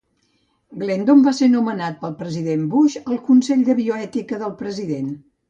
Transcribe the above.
Glendon va ser nomenat pel president Bush al Consell de Bioètica del President.